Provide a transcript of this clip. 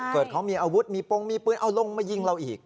เกิดเขามีอาวุธมีปงมีปืนเอาลงมายิงเราอีก